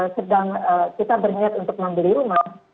sedang kita berniat untuk membeli rumah